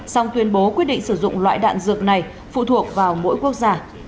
song tuyên bố quyết định sử dụng loại đạn dược này phụ thuộc vào mỗi quốc gia